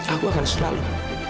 aku akan selalu